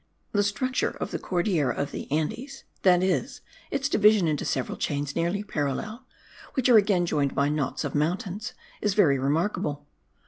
The structure of the Cordillera of the Andes, that is, its division into several chains nearly parallel, which are again joined by knots of mountains, is very remarkable.